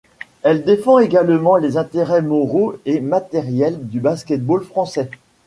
Elle défend également les intérêts moraux et matériels du basket-ball français.